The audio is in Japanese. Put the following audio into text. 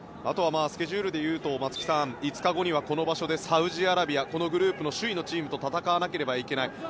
あとはスケジュールでいうと、松木さん５日後にこの場所でサウジアラビアこのグループの首位のチームと戦わなければいけない。